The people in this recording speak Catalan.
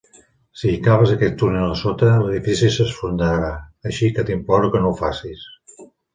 Si hi caves aquest túnel a sota, l'edifici s'esfondrarà, així que t'imploro que no ho facis.